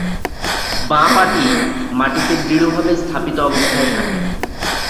বাঁ পাটি মাটিতে দৃঢ়ভাবে স্থাপিত অবস্থায় থাকে।